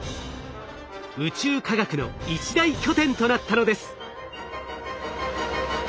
宇宙科学の一大拠点となったのです。